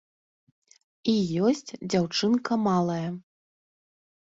І ёсць дзяўчынка малая.